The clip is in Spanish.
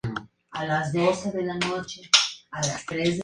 Se puede encontrar en Botsuana, Lesoto, Namibia, Sudáfrica y Suazilandia.